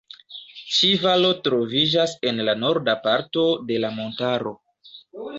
Ĉi valo troviĝas en la norda parto de la montaro.